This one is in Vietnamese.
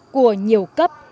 của nhiều cấp